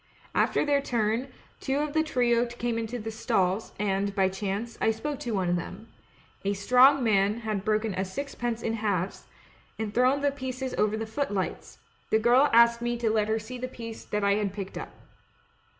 After their turn, two of the trio came into the stalls, and, by chance, I spoke to one of them; a Strong Man had broken a sixpence in halves, and thrown the pieces over the footlights — the girl asked me to let her see the piece that I picked up.